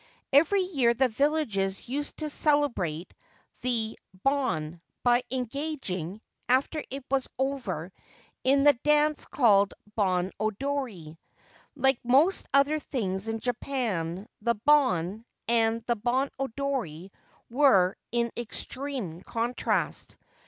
Every year the villagers used to celebrate the * Bon ' by engaging, after it was over, in the dance called ' Bon Odori.' Like most other things in Japan, the ' Bon ' and the * Bon Odori ' were in extreme contrast.